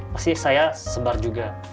pasti saya sebar juga